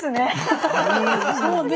そうね。